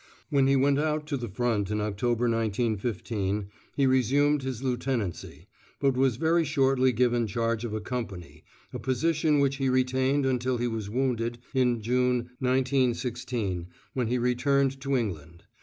When he went out to the front in October, 1915, he resumed his lieutenancy, but was very shortly given charge of a company, a position which he retained until he was wounded in June, 1916, when he returned to England.